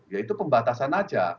ya itu pembatasan aja